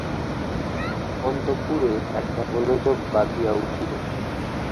অন্তঃপুরে একটা গোলযোগ বাধিয়া উঠিল।